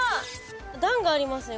段がありますね